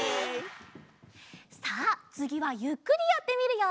さあつぎはゆっくりやってみるよ！